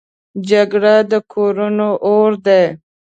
جګړه د کورونو اور دی